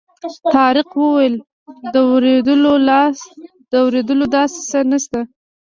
طارق وویل د وېرېدلو داسې څه نه شته.